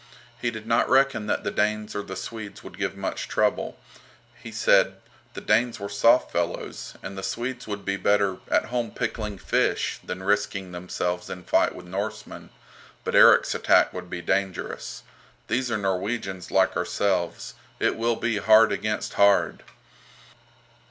He did not reckon that the Danes or the Swedes would give much trouble, he said; the Danes were soft fellows, and the Swedes would be better "at home pickling fish" than risking themselves in fight with Norsemen, but Erik's attack would be dangerous. "These are Norwegians like ourselves. It will be hard against hard."